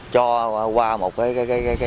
cho qua một cái